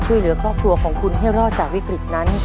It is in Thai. ช่วยเหลือครอบครัวของคุณให้รอดจากวิกฤตนั้น